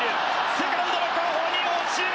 セカンドの後方に落ちる！